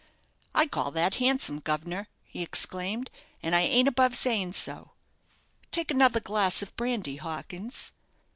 "I call that handsome, guv'nor," he exclaimed, "and I ain't above saying so." "Take another glass of brandy, Hawkins."